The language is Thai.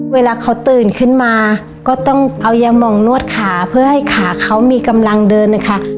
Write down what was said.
เวลาเขาตื่นขึ้นมาก็ต้องเอายาหมองนวดขาเพื่อให้ขาเขามีกำลังเดินนะคะ